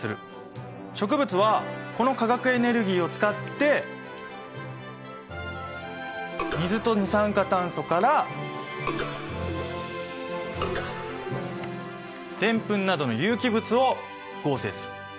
植物はこの化学エネルギーを使って水と二酸化炭素からデンプンなどの有機物を合成する。